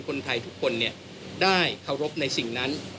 คนไทยทุกคนได้เคารพในสิ่งนั้น